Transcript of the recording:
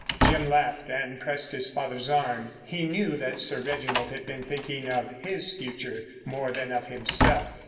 Jim laughed and pressed his father's arm. He knew that Sir Reginald had been thinking of his future more than of himself.